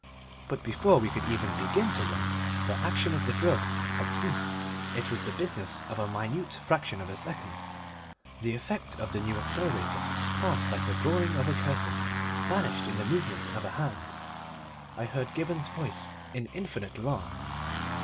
But before we could even begin to run the action of the drug had ceased. It was the business of a minute fraction of a second. The effect of the New Accelerator passed like the drawing of a curtain, vanished in the movement of a hand. I heard Gibberne's voice in infinite alarm.